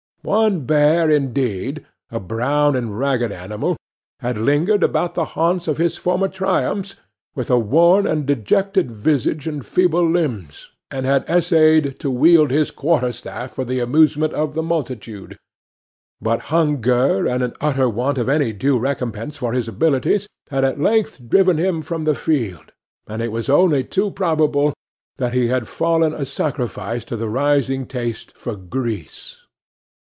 One bear, indeed,—a brown and ragged animal,—had lingered about the haunts of his former triumphs, with a worn and dejected visage and feeble limbs, and had essayed to wield his quarter staff for the amusement of the multitude; but hunger, and an utter want of any due recompense for his abilities, had at length driven him from the field, and it was only too probable that he had fallen a sacrifice to the rising taste for grease.